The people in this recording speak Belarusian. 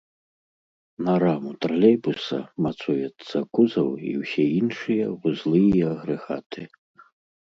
На раму тралейбуса мацуецца кузаў і ўсе іншыя вузлы і агрэгаты.